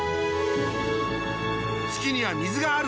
月には水がある。